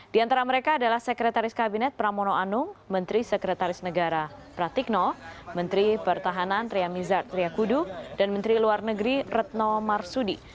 di antara mereka adalah sekretaris kabinet pramono anung menteri sekretaris negara pratikno menteri pertahanan tria mizar triakudu dan menteri luar negeri retno marsudi